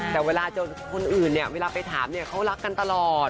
แต่เวลาจนคนอื่นเนี่ยเวลาไปถามเนี่ยเขารักกันตลอด